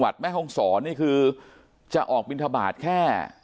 แม่ห้องศรนี่คือจะออกบินทบาทแค่